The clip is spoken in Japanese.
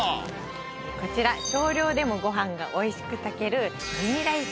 こちら少量でもご飯が美味しく炊ける。